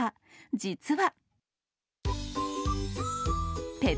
実は。